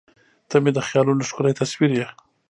• ته مې د خیالونو ښکلی تصور یې.